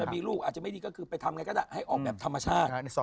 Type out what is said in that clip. มีลูกอาจจะไม่ดีก็คือไปทำไงก็ได้ให้ออกแบบธรรมชาติ